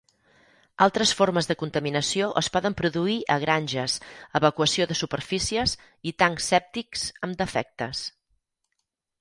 Altres formes de contaminació es poden produir a granges, evacuació de superfícies i tancs sèptics amb defectes.